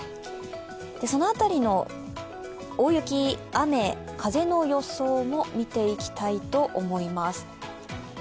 その辺りの大雪、雨、風の予想も見ていきたいと思います。